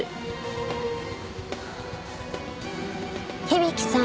響木さん。